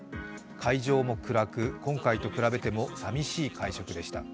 会場も暗く、今回と比べても寂しい会食でした。